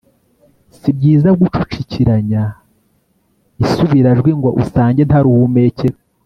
si byiza gucucikiranya isubirajwi ngo usange nta ruhumekero